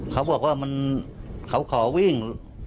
เขาบอกว่ามันขาววิ่ง